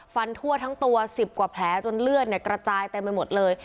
ฟันทั่วทั้งตัวสิบกว่าแผลจนเลือดเนี่ยกระจายแต่มันหมดเลย